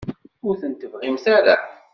Ur ten-tebɣimt ara?